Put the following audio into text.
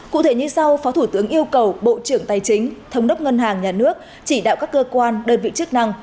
cụ thể như sau phó thủ tướng yêu cầu bộ trưởng tài chính thống đốc ngân hàng nhà nước chỉ đạo các cơ quan đơn vị chức năng